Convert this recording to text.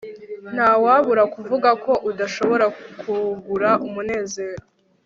Ntawabura kuvuga ko udashobora kugura umunezero